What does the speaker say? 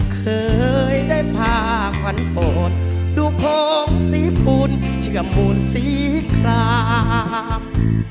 เคยได้พาขวัญโปรดดูโค้งสีฟูนเฉียบมูลสีคราบ